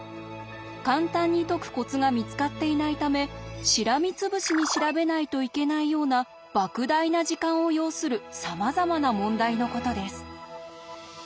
簡単に解くコツが見つかっていないためしらみつぶしに調べないといけないようなばく大な時間を要するさまざまな問題のことです。